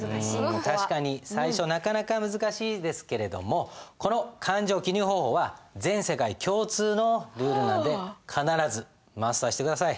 確かに最初なかなか難しいですけれどもこの勘定記入方法は全世界共通のルールなんで必ずマスターして下さい。